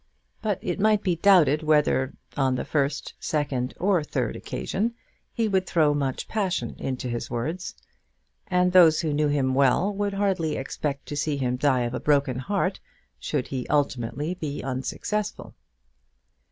But it might be doubted whether, on the first, second, or third occasion, he would throw much passion into his words; and those who knew him well would hardly expect to see him die of a broken heart, should he ultimately be unsuccessful.